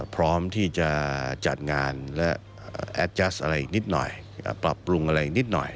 พร้อมที่จะจัดงานและปลับปรุงอีกนิดหน่อย